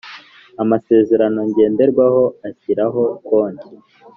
Amasezerano ngenderwaho ashyiraho konti